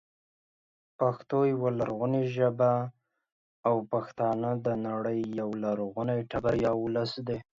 پښتو يوه لرغونې ژبه او پښتانه د نړۍ یو لرغونی تبر یا ولس دی